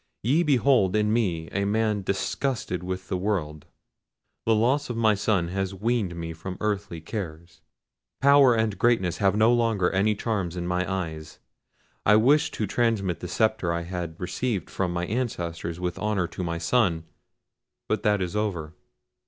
Ye behold in me a man disgusted with the world: the loss of my son has weaned me from earthly cares. Power and greatness have no longer any charms in my eyes. I wished to transmit the sceptre I had received from my ancestors with honour to my son—but that is over!